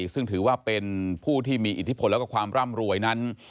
ซึ่งถือว่าเป็นผู้ที่มีอิทธิพลแล้วก็ความร่ำรวยนั้น